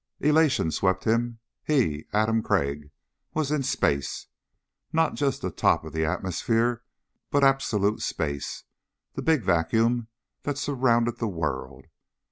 Elation swept him. He, Adam Crag, was in space. Not just the top of the atmosphere but absolute space the big vacuum that surrounded the world.